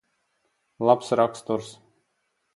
Labs raksturs.